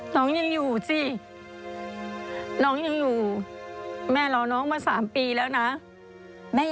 น้องยังอยู่สิน้องยังอยู่แม่รอน้องมา๓ปีแล้วนะ